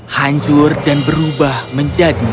hancur dan berubah menjadi